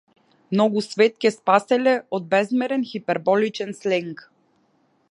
Многу свет ќе спаселе од безмерен хиперболичен сленг.